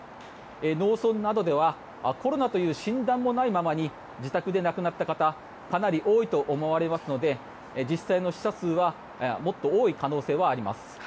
農村などではコロナという診断もないままに自宅で亡くなった方かなり多いと思われますので実際の死者数はもっと多い可能性はあります。